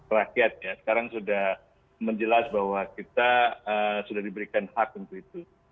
rakyat ya sekarang sudah menjelas bahwa kita sudah diberikan hak untuk itu